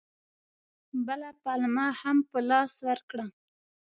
بله پلمه هم په لاس ورکړه.